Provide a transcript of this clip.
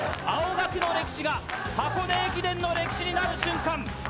青学の歴史が箱根駅伝の歴史になる瞬間。